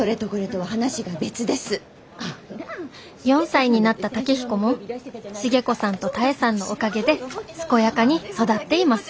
「４歳になった健彦も重子さんと多江さんのおかげで健やかに育っています」。